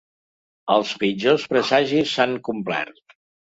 Els pitjors presagis s’han complert.